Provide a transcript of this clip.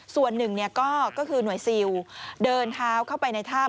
ส่วนหนึ่งก็คือหน่วยซิลเดินเท้าเข้าไปในถ้ำ